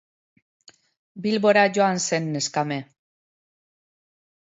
Bilbora joan zen neskame.